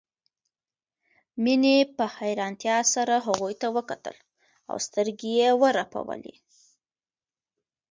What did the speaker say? مينې په حيرانتيا سره هغوی ته وکتل او سترګې يې ورپولې